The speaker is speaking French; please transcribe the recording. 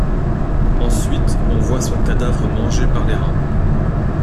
Ensuite, on voit son cadavre mangé par les rats.